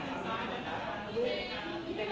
สวัสดีครับคุณผู้ชม